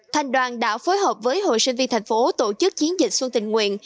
thành đoàn đã phối hợp với hội sinh viên thành phố tổ chức chiến dịch xuân tình nguyện